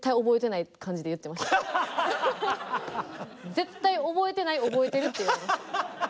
絶対覚えてない覚えてるって言われました。